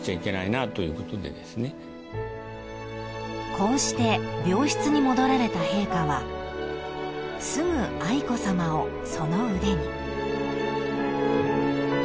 ［こうして病室に戻られた陛下はすぐ愛子さまをその腕に］